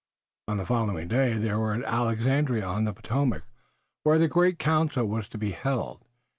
On the following day they were at Alexandria on the Potomac, where the great council was to be held.